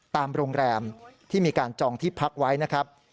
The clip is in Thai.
ตามโรงแรมที่มีการจองที่พักไว้นะครับ